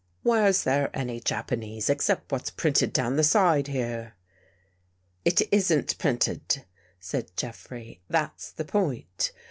" Where's there any Japanese except what's printed down the side here?" " It isn't printed," said Jeffrey. " That's the point.